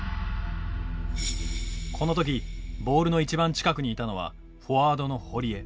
この時ボールの一番近くにいたのはフォワードの堀江。